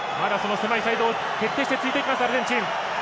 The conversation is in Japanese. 狭いサイドを徹底して突いていきます、アルゼンチン。